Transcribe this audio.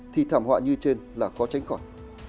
thì thảm họa như trên là có tránh khỏi